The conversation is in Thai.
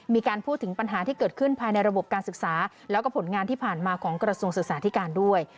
มีการพูดถึงปัญหาที่เกิดขึ้นภายในระบบการศึกษาแล้วก็ผลงานที่ผ่านมาของกระทรวงศึกษาธิการด้วย